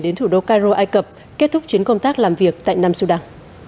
đến thủ đô cairo ai cập kết thúc chuyến công tác làm việc tại nam sudan